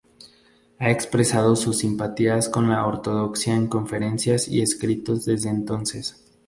Ha expresado sus simpatías con la ortodoxia en conferencias y escritos desde entonces.